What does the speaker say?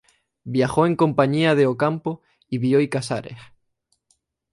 Viajó en compañía de Ocampo y Bioy Casares.